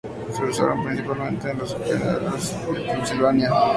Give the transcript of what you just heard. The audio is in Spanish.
Se usaron principalmente en los graneros de Pensilvania.